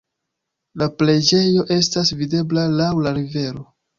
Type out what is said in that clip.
La preĝejo estas videbla laŭ la rivero.